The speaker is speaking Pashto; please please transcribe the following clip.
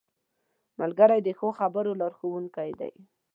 ملګری د ښو خبرو لارښوونکی دی